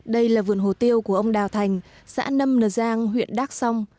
đây là vườn hồ tiêu của ông đào thành xã nâm nờ giang huyện đắk song